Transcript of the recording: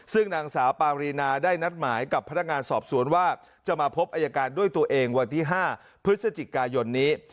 ซึ่งนางสาวปารีนาได้นัดหมายกับพนักงานสอบสวนว่าจะมาพบอายการด้วยตัวเองวันที่๕พฤศจิกายนนี้